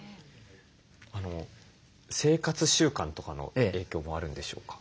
生活習慣とかの影響もあるんでしょうか？